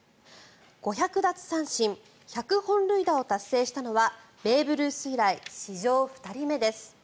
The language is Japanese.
５００奪三振１００本塁打を達成したのはベーブ・ルース以来史上２人目です。